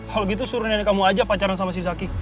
kalau gitu suruh nenek kamu aja pacaran sama si zaki